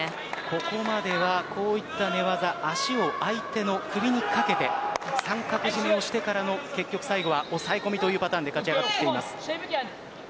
ここまでは、こういった寝技足を相手の首にかけて三角絞をしてからの抑え込みというパターンで勝ち上がっています。